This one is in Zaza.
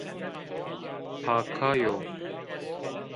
Paka yo